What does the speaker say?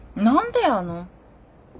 何でやの。